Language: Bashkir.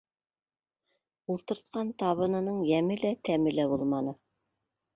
Ултыртҡан табынының йәме лә, тәме лә булманы.